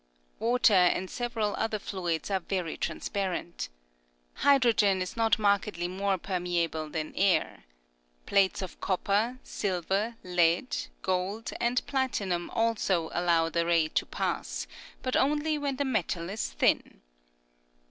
Water and several other fluids are very transparent. Hydrogen is not mark edly more permeable than air. Plates of copper, silver, lead, gold and platinum also allow the rays to pass, but only when the metal is thin.